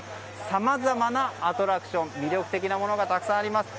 さまざまなアトラクション魅力的なものがたくさんあります。